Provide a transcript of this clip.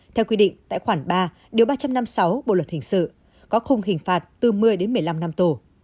theo quy định tại khoản ba điều ba trăm năm mươi sáu bộ luật hình sự có khung hình phạt từ một mươi đến một mươi năm năm tù